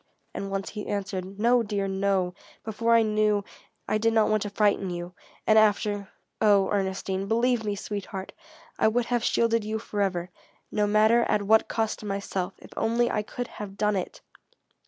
And once he answered: "No, dear no; before I knew I did not want to frighten you, and after oh, Ernestine, believe me, sweetheart, I would have shielded you forever, no matter at what cost to myself if only I could have done it!"